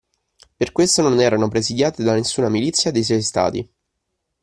Per questo, non erano presidiate da nessuna milizia dei sei stati.